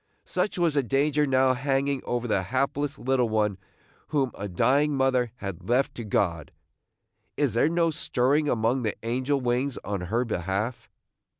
Such was the danger now hanging over the hapless little one whom a dying mother had left to God. Is there no stirring among the angel wings on her behalf?